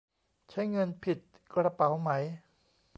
ใช้เงินผิดกระเป๋าไหม ?